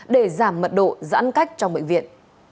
để giảm mật độ giãn cách trong bệnh viện